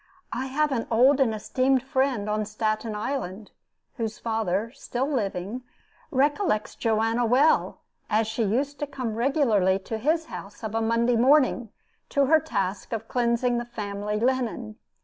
I have an old and esteemed friend on Staten Island whose father, still living, recollects Joanna well, as she used to come regularly to his house of a Monday morning, to her task of cleansing the family linen.